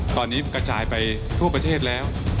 ตอนนี้กระจายไปทั่วประเทศแล้ว